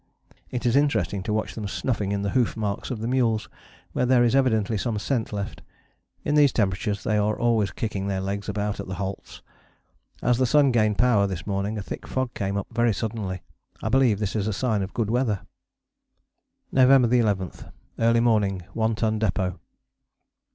It is interesting to watch them snuffing in the hoof marks of the mules, where there is evidently some scent left. In these temperatures they are always kicking their legs about at the halts. As the sun gained power this morning a thick fog came up very suddenly. I believe this is a sign of good weather. [Illustration: THE DOG PARTY LEAVES HUT POINT November 1, 1912] _November 11. Early morning. One Ton Depôt.